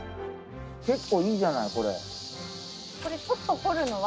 結構いいじゃない、これ。